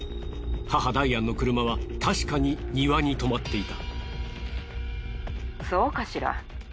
母ダイアンの車は確かに庭に止まっていた。